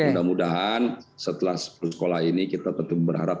mudah mudahan setelah sepuluh sekolah ini kita tentu berharap